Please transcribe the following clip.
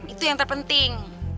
itu yang terpenting